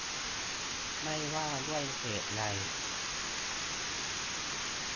ไม่ว่าด้วยเหตุใด